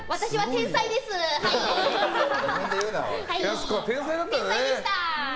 天才でした！